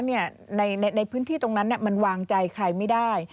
ในพื้นที่ตรงนั้นมันวางใจใครไม่ได้